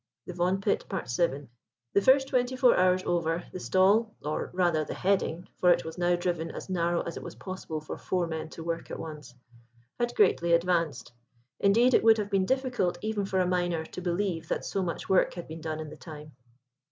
THE VAUGHAN PIT.—VII. The first twenty four hours over, the stall—or rather the heading, for it was now driven as narrow as it was possible for four men to work at once—had greatly advanced; indeed it would have been difficult even for a miner to believe that so much work had been done in the time.